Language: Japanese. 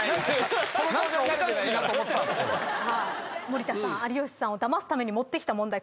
森田さん有吉さんをダマすために持ってきた問題